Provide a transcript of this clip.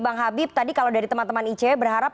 bang habib tadi kalau dari teman teman icw berharap